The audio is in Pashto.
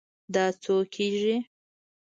دا څو کیږي؟